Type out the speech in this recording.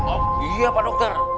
oh iya pak dokter